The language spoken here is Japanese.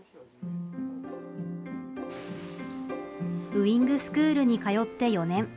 ウイングスクールに通って４年。